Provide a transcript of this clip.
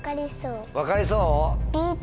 分かりそう？